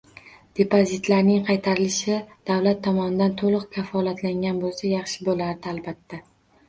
Depozitlarning qaytarilishi davlat tomonidan to'liq kafolatlangan bo'lsa yaxshi bo'lardi, albatta